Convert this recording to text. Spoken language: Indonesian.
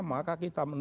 maka kita menerima